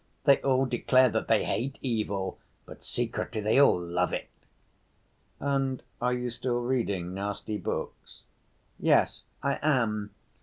They all declare that they hate evil, but secretly they all love it." "And are you still reading nasty books?" "Yes, I am.